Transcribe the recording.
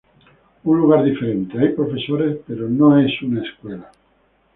Un lugar diferente: hay profesores, pero no es una escuela.